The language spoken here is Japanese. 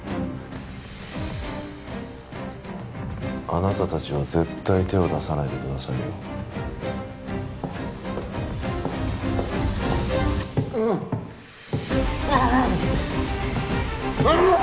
あなた達は絶対手を出さないでくださいようっうー！